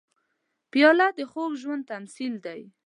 پیاله د خوږ ژوند تمثیل دی.